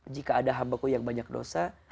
jika ada hambaku yang banyak dosa